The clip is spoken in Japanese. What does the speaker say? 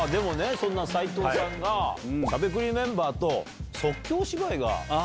そんな斉藤さんがしゃべくりメンバーと。